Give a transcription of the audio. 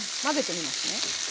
混ぜてみますね。